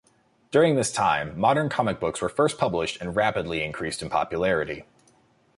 During this time, modern comic books were first published and rapidly increased in popularity.